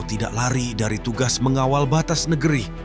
tidak lari dari tugas mengawal batas negeri